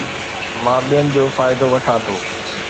مان ٻين جو فائدو وٺان ٿو